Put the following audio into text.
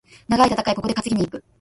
長い戦い、ここで担ぎに行く。